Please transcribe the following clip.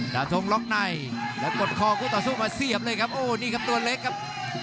ดาทงล็อกในแล้วกดคอคู่ต่อสู้มาเสียบเลยครับโอ้นี่ครับตัวเล็กครับ